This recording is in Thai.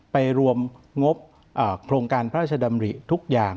ไปรวมงบโครงการพระราชดำริทุกอย่าง